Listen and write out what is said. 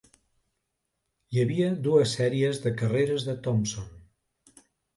Hi havia dues sèries de carreres de Thompson.